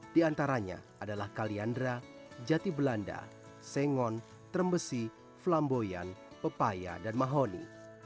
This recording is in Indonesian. di antaranya adalah kaliandra jati belanda sengon trembesi flamboyan pepaya dan mahoni